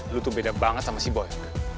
lo tuh beda banget sama si boy